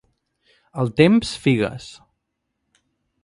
Al temps, figues.